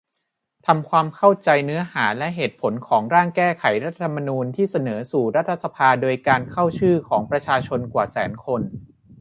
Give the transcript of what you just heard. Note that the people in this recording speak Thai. ทำความเข้าใจเนื้อหาและเหตุผลของ ร่างแก้ไขรัฐธรรมนูญที่เสนอสู่รัฐสภาโดยการเข้าชื่อของประชาชนกว่าแสนคน